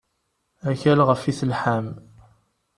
Akal ɣef i telḥam.